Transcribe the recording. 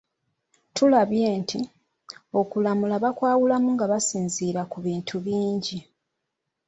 Tulabye nti, okulamula bakwawulamu nga basinziira ku bintu bingi.